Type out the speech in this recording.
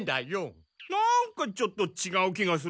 なんかちょっとちがう気がするんだけど。